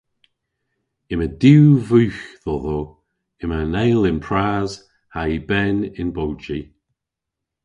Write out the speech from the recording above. Yma diw vugh dhodho. Yma an eyl y'n pras ha'y ben y'n bowji.